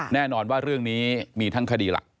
แน่นอนว่าเรื่องนี้มีทั้งคดีหลัก